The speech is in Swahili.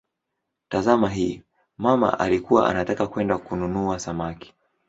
Tazama hii: "mama alikuwa anataka kwenda kununua samaki".